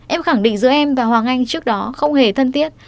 em khẳng định giữa em và hoàng anh trước đó không hề thân thiết